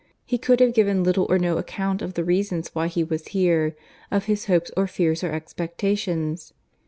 He could have given little or no account of the reasons why he was here; of his hopes or fears or expectations.